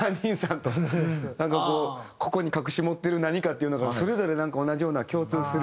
なんかここに隠し持ってる何かっていうのがそれぞれなんか同じような共通する。